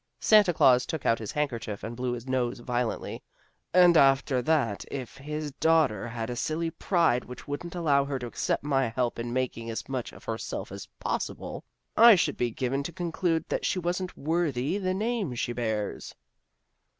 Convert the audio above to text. Santa Glaus took out his handkerchief and blew his nose violently. " And after that if his daughter had a silly pride which wouldn't allow her to accept my help in making as much of herself as possible, I should be driven to conclude that she wasn't worthy the name she bears."